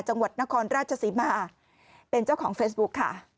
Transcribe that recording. จังหวัดนครราชศรีมาเป็นเจ้าของเฟซบุ๊คค่ะ